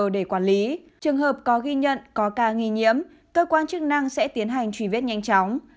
để quản lý trường hợp có ghi nhận có ca nghi nhiễm cơ quan chức năng sẽ tiến hành truy vết nhanh chóng